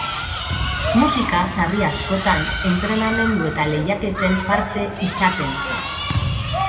Musika, sarri askotan, entrenamendu eta lehiaketen parte izaten zen.